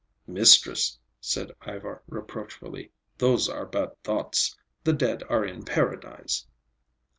"Mistress," said Ivar reproachfully, "those are bad thoughts. The dead are in Paradise."